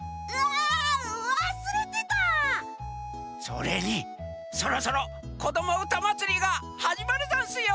それにそろそろ「こどもうたまつり」がはじまるざんすよ！